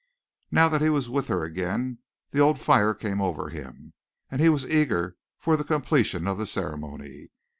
Now that he was with her again the old fire came over him and he was eager for the completion of the ceremony.